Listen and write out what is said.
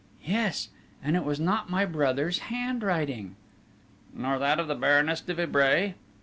"Yes, and it was not my brother's handwriting." "Nor that of the Baroness de Vibray?"